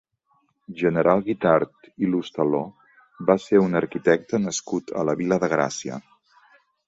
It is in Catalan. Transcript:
General Guitart i Lostaló va ser un arquitecte nascut a la Vila de Gràcia.